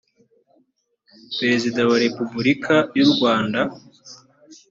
perezida wa repubulika y u rwanda